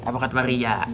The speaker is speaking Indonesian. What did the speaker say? apakah itu maria